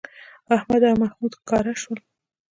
احمد او محمود ښکاره شول